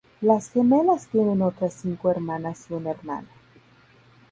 Las gemelas tienen otras cinco hermanas y un hermano.